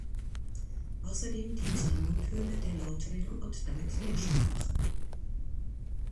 Außerdem dient die Mundhöhle der Lautbildung und damit der Sprache.